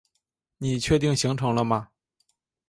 你确定行程了吗？